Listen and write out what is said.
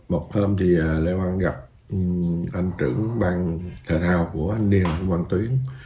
một hôm thì lê quang gặp anh trưởng bang thể thao của anh niên quang tuyến